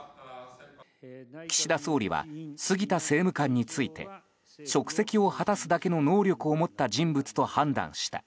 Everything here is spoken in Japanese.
岸田総理は、杉田政務官について職責を果たすだけの能力を持った人物と判断した。